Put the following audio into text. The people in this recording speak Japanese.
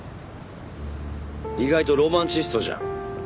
意外とロマンチストじゃん。